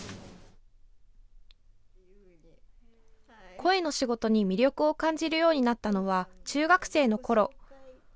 声の仕事に魅力を感じるようになったのは中学生のころ。